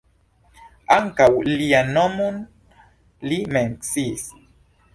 Ankaŭ lian nomon li menciis.